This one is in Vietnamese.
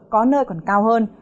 có nơi còn cao hơn